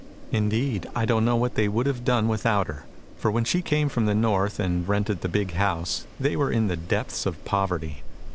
Indeed, I don't know what they would have done without her, for when she came from the North, and rented the big house, they were in the depths of poverty.